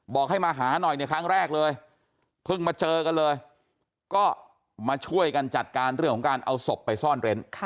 บอกให้มาหาหน่อยในครั้งแรกเลยเพิ่งมาเจอกันเลยก็มาช่วยกันจัดการเรื่องของการเอาศพไปซ่อนเร้น